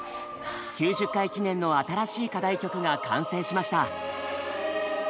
９０回記念の新しい課題曲が完成しました！